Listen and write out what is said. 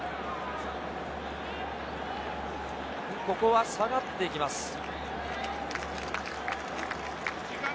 ここは下がっていきます。